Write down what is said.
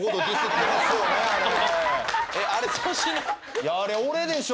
いやあれ俺でしょ。